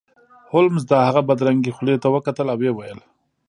هولمز د هغه بدرنګې خولې ته وکتل او ویې ویل